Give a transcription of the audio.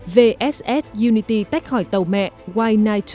vss unity tách khỏi tàu mẹ y chín mươi hai